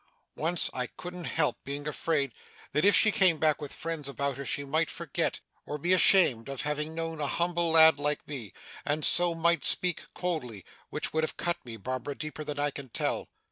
Once, I couldn't help being afraid that if she came back with friends about her she might forget, or be ashamed of having known, a humble lad like me, and so might speak coldly, which would have cut me, Barbara, deeper than I can tell.